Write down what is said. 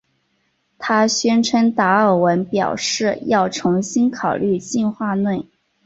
她宣称达尔文表示要重新考虑进化论。